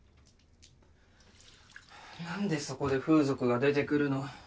なんでそこで風俗が出てくるの？